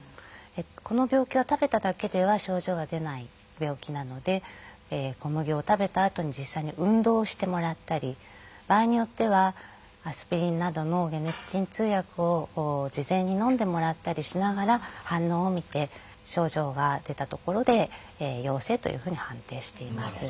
この病気は食べただけでは症状が出ない病気なので小麦を食べたあとに実際に運動をしてもらったり場合によってはアスピリンなどの解熱鎮痛薬を事前にのんでもらったりしながら反応を見て症状が出たところで陽性というふうに判定しています。